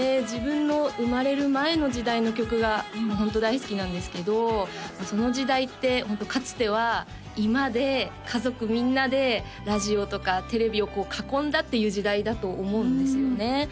自分の生まれる前の時代の曲がホント大好きなんですけどその時代ってホントかつては居間で家族みんなでラジオとかテレビをこう囲んだっていう時代だと思うんですよね